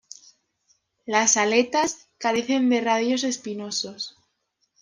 Las aletas carecen de radios espinosos.